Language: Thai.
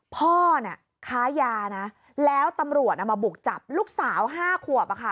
พ่อเนี่ยค้ายานะแล้วตำรวจมาบุกจับลูกสาว๕ขวบ